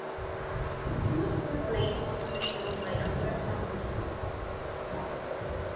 He was replaced on the show by Amber Tamblyn.